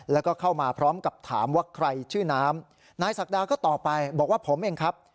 แล้วก็เข้ามาพร้อมกับถามว่าใครชื่อน้ำนายศักดาก็ตอบไปบอกว่าผมเองครับ